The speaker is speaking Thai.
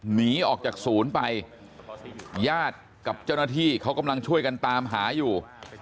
หนีออกจากศูนย์ไปญาติกับเจ้าหน้าที่เขากำลังช่วยกันตามหาอยู่